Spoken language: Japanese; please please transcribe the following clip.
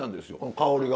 香りが。